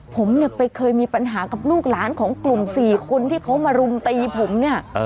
ผมเนี่ยไปเคยมีปัญหากับลูกหลานของกลุ่ม๔คนที่เขามารุมตีผมเนี่ย